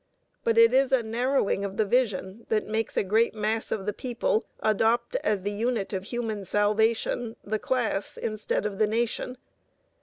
But it is a narrowing of the vision that makes a great mass of the people adopt as the unit of human salvation the class instead of the nation.